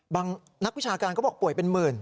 นักวิชาการเขาบอกป่วยเป็นหมื่น